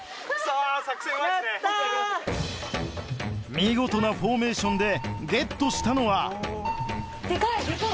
見事なフォーメーションでゲットしたのはデカいデカい！